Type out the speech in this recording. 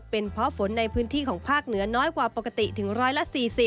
เป็นเพราะฝนในพื้นที่ของภาคเหนือน้อยกว่าปกติถึง๑๔๐